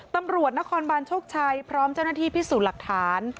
ตำรวจนครบานโชคชัยพร้อมเจ้าหน้าที่พิสูจน์หลักฐาน